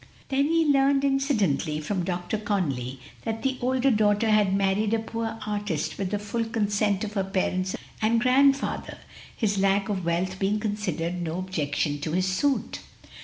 Then he had learned incidentally from Dr. Conly, that the older daughter had married a poor artist with the full consent of her parents and grandfather, his lack of wealth being considered no objection to his suit.